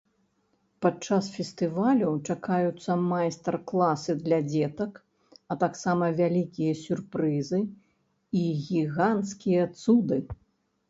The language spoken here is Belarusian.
Падчас фестывалю чакаюцца майстар-класы для дзетак, а таксама вялікія сюрпрызы і гіганцкія цуды.